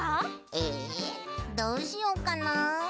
えどうしよっかな？